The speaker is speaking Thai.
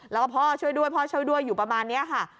แล้วก็พ่อช่วยด้วยพ่อช่วยด้วยอยู่ประมาณนี้ค่ะ